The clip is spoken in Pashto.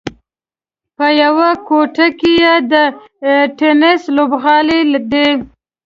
په یوه ګوټ کې یې د ټېنس لوبغالی دی.